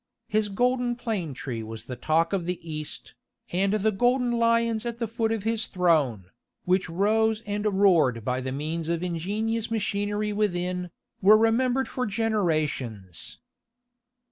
His golden plane tree was the talk of the East, and the golden lions at the foot of his throne, which rose and roared by the means of ingenious machinery within, were remembered for generations.